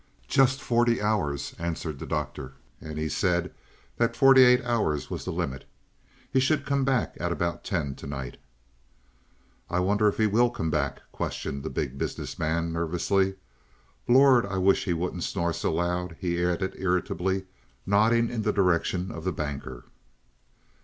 "Just forty hours," answered the Doctor; "and he said that forty eight hours was the limit. He should come back at about ten to night." "I wonder if he will come back," questioned the Big Business Man nervously. "Lord, I wish he wouldn't snore so loud," he added irritably, nodding in the direction of the Banker.